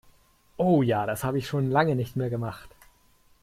Oh ja, das habe ich schon lange nicht mehr gemacht!